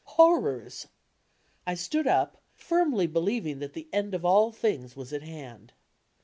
Horrors! I stood up, firmly believing that die end of all things was at hand.